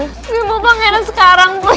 gue mau pangeran sekarang please